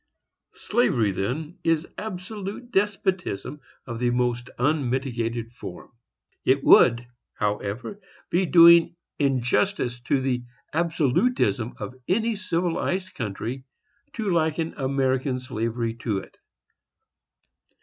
Slavery, then, is absolute despotism, of the most unmitigated form. It would, however, be doing injustice to the absolutism of any civilized country to liken American slavery to it.